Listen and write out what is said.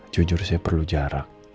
jujur saya perlu jarak